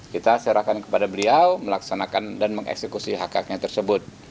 kita serahkan kepada beliau melaksanakan dan mengeksekusi hak haknya tersebut